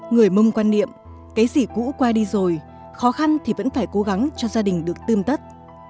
người mông quan niệm cái gì cũ qua đi rồi khó khăn thì vẫn phải cố gắng cho gia đình được tươm tất